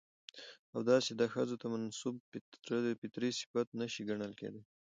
او داسې دا ښځو ته منسوب فطري صفت نه شى ګڼل کېداى.